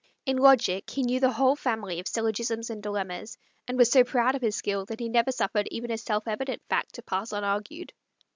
In logic he knew the whole family of syllogisms and dilemmas, and was so proud of his skill that he never suffered even a self evident fact to pass unargued.